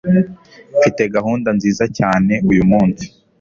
Mfite gahunda nziza cyane uyumunsi.